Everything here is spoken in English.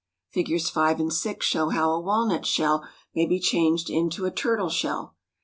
Figs. 5 and 6 show how a walnut shell may be changed into a turtle shell.